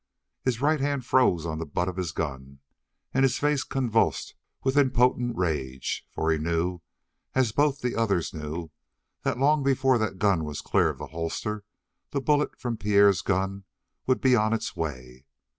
His right hand froze on the butt of his gun and his face convulsed with impotent rage, for he knew, as both the others knew, that long before that gun was clear of the holster the bullet from Pierre's gun would be on its way.